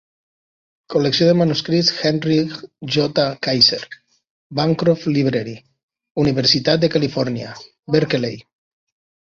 Col·lecció de manuscrits Henry J. Kaiser, Bancroft Library, Universitat de Califòrnia, Berkeley.